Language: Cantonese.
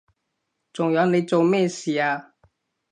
仲有你做咩事啊？